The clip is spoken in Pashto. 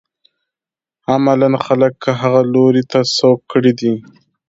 عملاً خلک هغه لوري ته سوق کړي دي.